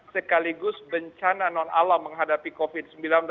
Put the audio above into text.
sekaligus bencana non alam menghadapi covid sembilan belas